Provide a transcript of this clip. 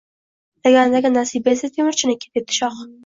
– Lagandagi nasiba esa temirchiniki, – debdi shoh.